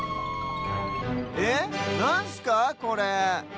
えっなんすかこれ？